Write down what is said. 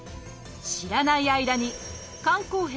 知らない間に「肝硬変」